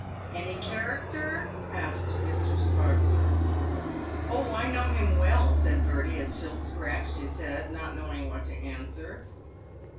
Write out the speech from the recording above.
" Any charackter ?" asked Mr. Sparkler.' " Oh, I know him well," said Bertie, as Phil scratched his head, not knowing what to answer.